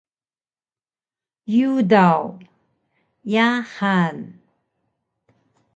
Yudaw: Yahan!